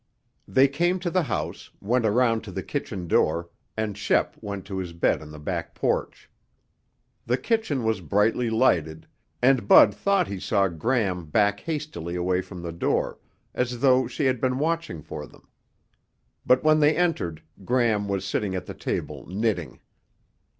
They came to the house, went around to the kitchen door, and Shep went to his bed on the back porch. The kitchen was brightly lighted, and Bud thought he saw Gram back hastily away from the door, as though she had been watching for them. But when they entered, Gram was sitting at the table knitting.